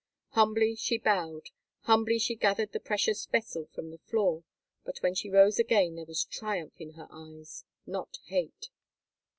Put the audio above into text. Humbly she bowed, humbly she gathered the precious vessel from the floor; but when she rose again there was triumph in her eyes—not hate.